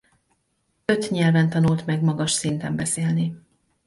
Öt nyelven tanult meg magas szinten beszélni.